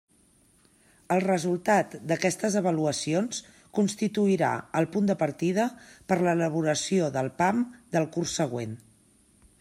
El resultat d'aquestes avaluacions constituirà el punt de partida per a l'elaboració del PAM del curs següent.